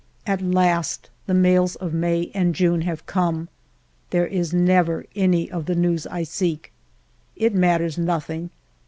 At last the mails of May and June have come. There is never any of the news I seek. It mat ters nothing.